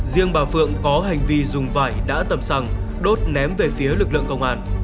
riêng bà phượng có hành vi dùng vải đã tầm xăng đốt ném về phía lực lượng công an